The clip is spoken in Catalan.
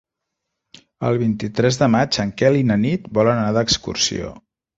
El vint-i-tres de maig en Quel i na Nit volen anar d'excursió.